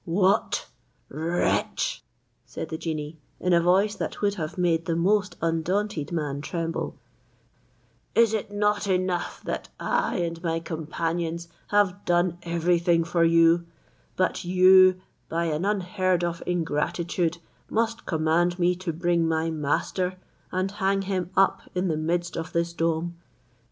"What! wretch," said the genie, in a voice that would have made the most undaunted man tremble, "is it not enough that I and my companions have done every thing for you, but you, by an unheard of ingratitude, must command me to bring my master, and hang him up in the midst of this dome?